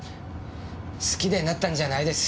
好きでなったんじゃないです。